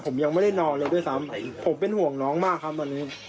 ผมยังไม่ได้นอนเลยด้วยซ้ำผมเป็นห่วงน้องมากครับวันนี้